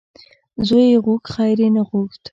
ـ زوی یې غوښت خیر یې نه غوښت .